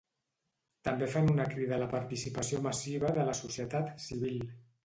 També fan una crida a la participació massiva de la societat civil.